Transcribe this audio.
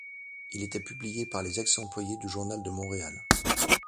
Il était publié par les ex-employés du Journal de Montréal.